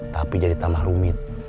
tapi jadi tamah rumit